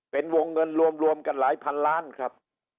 เป็นวงเงินรวมกันหลายพันล้านครับ